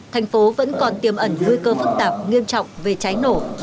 thành phố vẫn còn tiềm ẩn nguy cơ phức tạp nghiêm trọng về cháy nổ